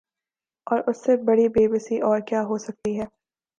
اور اس سے بڑی بے بسی اور کیا ہو سکتی ہے